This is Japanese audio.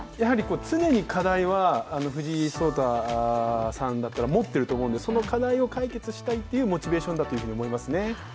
常に課題は藤井聡太さんだったら持っていると思うので、その課題を解決したいというモチベーションだと思いますね。